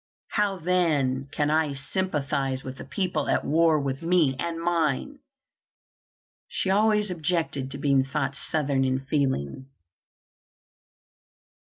How then can I sympathize with a people at war with me and mine?" She always objected to being thought Southern in feeling.